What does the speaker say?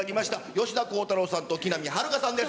吉田鋼太郎さんと木南晴夏さんです。